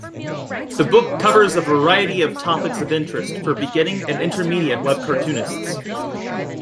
The book covers a variety of topics of interest for beginning and intermediate webcartoonists.